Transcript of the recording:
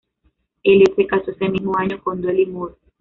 Elliott se casó ese mismo año con Dolly Moore.